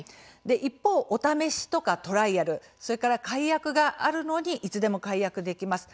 一方、お試しとかトライアルそれから解約があるのにいつでも解約できます